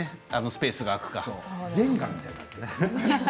スペースが空くか。